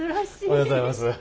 おはようございます。